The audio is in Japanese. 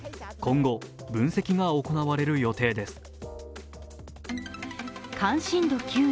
今後、分析が行われる予定です。